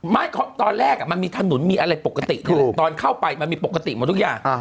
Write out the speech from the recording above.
ตอนแรกมันมีถนนมีอะไรปกติถูกตอนเข้าไปมันมีปกติหมดทุกอย่าง